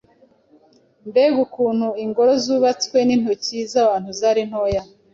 mbega ukuntu ingoro zubatswe n’intoki z’abantu zari ntoya!